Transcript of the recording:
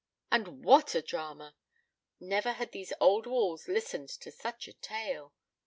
And what a drama! Never had these old walls listened to such a tale.